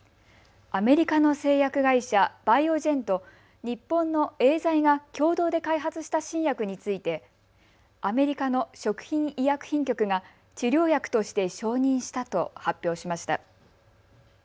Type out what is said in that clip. アメリカの製薬会社バイオジェンと日本のエーザイが共同で開発した新薬についてアメリカの食品医薬品局が治療薬として承認したと発表しました。